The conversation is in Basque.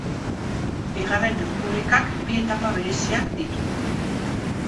Bigarren Errepublikak bi etapa bereiziak ditu.